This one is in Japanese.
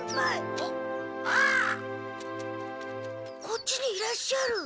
こっちにいらっしゃる。